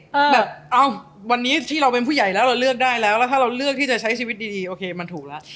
แบบเอ้าวันนี้ที่เราเป็นผู้ใหญ่แล้วเราเลือกได้แล้วแล้วถ้าเราเลือกที่จะใช้ชีวิตดีดีโอเคมันถูกแล้ว